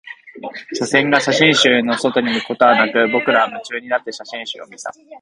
視線が写真集の外に向くことはなく、僕らは夢中になって写真集を見た